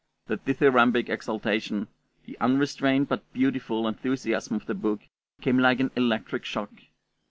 The dithyrambic exaltation, the unrestrained but beautiful enthusiasm of the book came like an electric shock.